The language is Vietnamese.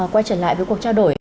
quay trở lại với cuộc trao đổi